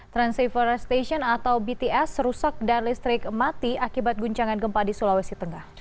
transceiver station atau bts rusak dan listrik mati akibat guncangan gempa di sulawesi tengah